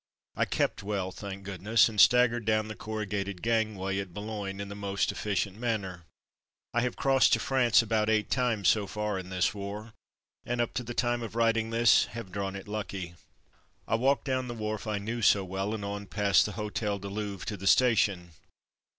I kept well, thank goodness, and staggered down the corrugated gangway at Boulogne in a most efficient manner. I have crossed to France about eight times so far in this S7 88 From Mud to Mufti war, and up to the time of writing this, have drawn it lucky. I walked down the wharf I knew so well, and on past the Hotel de Louvre to the station.